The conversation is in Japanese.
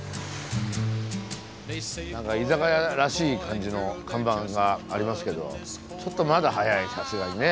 何か居酒屋らしい感じの看板がありますけどちょっとまだ早いさすがにね